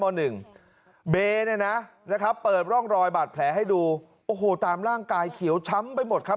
เบเนี่ยนะนะครับเปิดร่องรอยบาดแผลให้ดูโอ้โหตามร่างกายเขียวช้ำไปหมดครับ